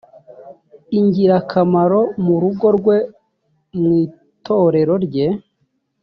ingirakamaro mu rugo rwe mu itorero rye